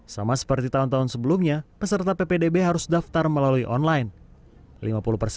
sama seperti tahun tahun sebelumnya peserta ppdb harus daftar melalui online